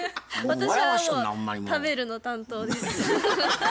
私はもう食べるの担当です。